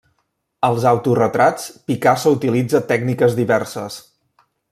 Als autoretrats, Picasso utilitza tècniques diverses.